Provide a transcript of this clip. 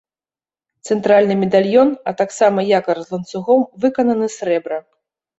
Цэнтральны медальён, а таксама якар з ланцугом выкананы з срэбра.